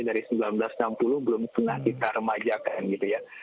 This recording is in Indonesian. dari seribu sembilan ratus enam puluh belum pernah kita remajakan gitu ya